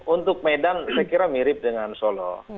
untuk medan saya kira mirip dengan solo